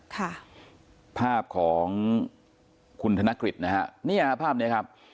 ค่ะภาพของคุณธนกฤษนะฮะเนี่ยภาพเนี้ยครับ